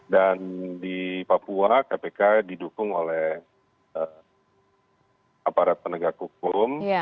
dan di papua kpk didukung oleh aparat penegak hukum